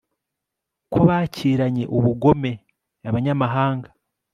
ko bakiranye ubugome abanyamahanga